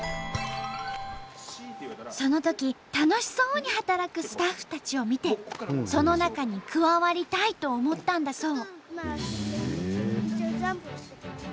そのとき楽しそうに働くスタッフたちを見てその中に加わりたいと思ったんだそう。